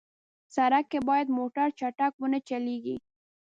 سړک کې باید موټر چټک ونه چلېږي.